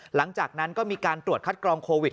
หลังจากนั้นก็มีการตรวจคัดกรองโควิด